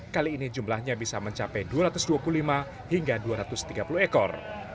kali ini jumlahnya bisa mencapai dua ratus dua puluh lima hingga dua ratus tiga puluh ekor